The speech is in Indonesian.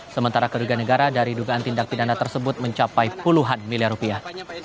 sementara kerugian negara dari dugaan tindak pidana tersebut mencapai puluhan miliar rupiah